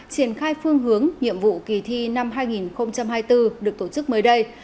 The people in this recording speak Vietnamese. triển khai phương hướng nhiệm vụ kỳ thi năm hai nghìn hai mươi bốn được tổ chức mới đây